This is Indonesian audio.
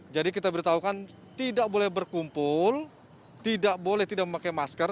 jadi kita bertahukan tidak boleh berkumpul tidak boleh tidak memakai masker